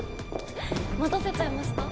待たせちゃいました？